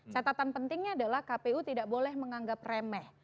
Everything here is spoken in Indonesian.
catatan pentingnya adalah kpu tidak boleh menganggap remeh